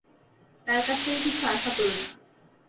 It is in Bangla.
তার কাছ থেকে কিছু আশা করো না।